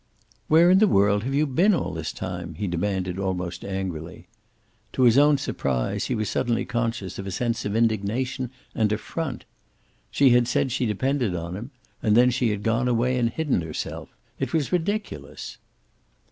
"Where in the world have you been all this time?" he demanded, almost angrily. To his own surprise he was suddenly conscious of a sense of indignation and affront. She had said she depended on him, and then she had gone away and hidden herself. It was ridiculous.